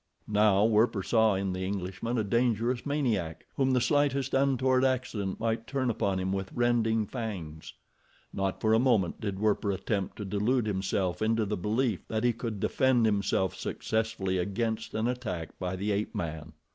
Now Werper saw in the Englishman a dangerous maniac, whom the slightest untoward accident might turn upon him with rending fangs. Not for a moment did Werper attempt to delude himself into the belief that he could defend himself successfully against an attack by the ape man.